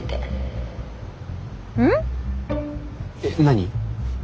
えっ何？